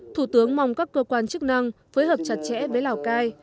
thủ tướng mong các cơ quan chức năng phối hợp chặt chẽ với lào cai